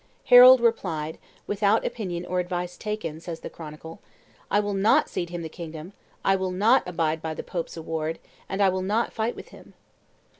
Harold replied, "without opinion or advice taken," says the chronicle, "I will not cede him the kingdom; I will not abide by the Pope's award; and I will not fight with him."